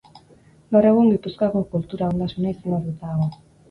Gaur egun Gipuzkoako kultura ondasuna izendatua dago.